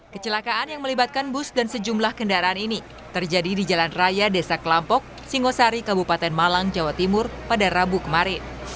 kecelakaan yang melibatkan bus dan sejumlah kendaraan ini terjadi di jalan raya desa kelampok singosari kabupaten malang jawa timur pada rabu kemarin